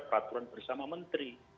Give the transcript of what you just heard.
peraturan bersama menteri